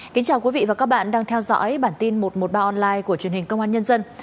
kính chào quý vị và các bạn đang theo dõi bản tin một trăm một mươi ba online của truyền hình công an nhân dân